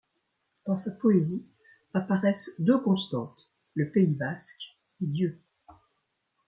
Dans sa poésie apparaissent deux constantes, le Pays basque et Dieu.